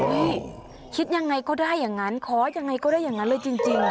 คิดยังไงก็ได้อย่างนั้นขอยังไงก็ได้อย่างนั้นเลยจริง